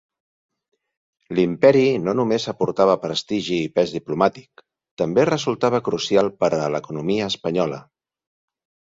L'imperi no només aportava prestigi i pes diplomàtic; també resultava crucial per a l'economia espanyola.